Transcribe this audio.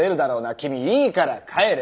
君いいから帰れ。